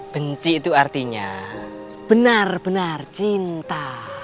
benci itu artinya benar benar cinta